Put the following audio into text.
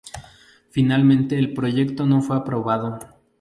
Finalmente el proyecto no fue aprobado.